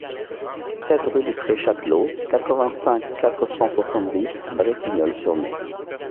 sept rue de Pré Chatelot, quatre-vingt-cinq, quatre cent soixante-dix, Bretignolles-sur-Mer